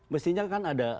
mestinya kan ada